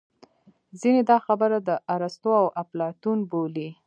ځینې دا خبره د ارستو او اپلاتون بولي